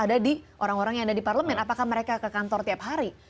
ada di orang orang yang ada di parlemen apakah mereka ke kantor tiap hari